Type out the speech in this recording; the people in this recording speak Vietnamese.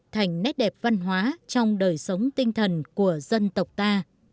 thành nét đẹp văn hóa trong đời sống tinh thần của dân tộc ta